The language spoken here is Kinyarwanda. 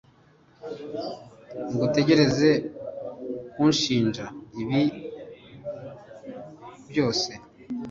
ntugerageze kunshinja ibi byose